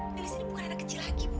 lilis ini bukan anak kecil lagi bu